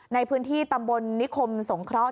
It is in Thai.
ในพื้นที่ตำบลนิคมสงเคราะห